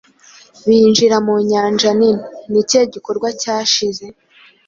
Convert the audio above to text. binjira mu nyanja nini. Ni ikihe gikorwa cyashize,